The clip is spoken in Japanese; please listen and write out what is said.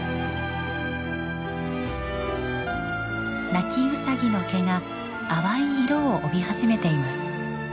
ナキウサギの毛が淡い色を帯び始めています。